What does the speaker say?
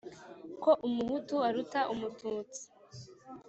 ko umuhutu aruta umututsi